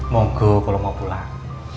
mau go kalau mau pulang